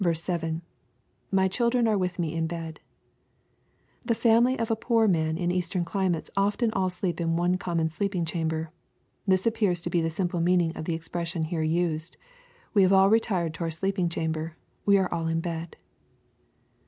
— [My children are with me in hed,'\ The family of a poor man in eastern climates often all sleep in one common sleeping chamber. This appears to be the simple meaning of the expression here used :—" We have all retired to our sleeping chamber. We are aU in bed."